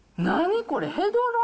何これ？